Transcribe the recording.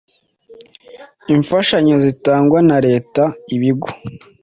imfashanyo zitangwa na Leta ibigo